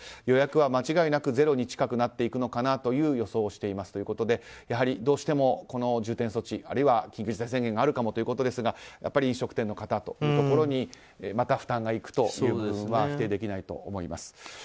予約は間違いなくゼロに近くなっていくのかなと予想をしていますということでやはり、どうしてもこの重点措置あるいは緊急事態宣言があるかもということですがやっぱり飲食店の方にまた負担がいくという部分は否定できないと思います。